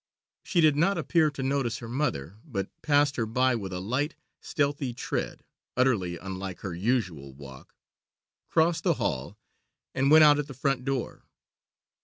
She did not appear to notice her mother, but passed her by with a light, stealthy tread, utterly unlike her usual walk, crossed the hall, and went out at the front door.